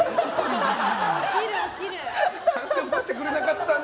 何で起こしてくれなかったの？